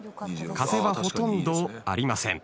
風はほとんどありません。